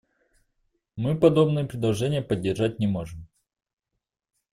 Мы подобные предложения поддержать не можем.